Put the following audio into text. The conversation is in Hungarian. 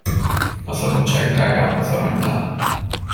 A szabadság drágább az aranynál.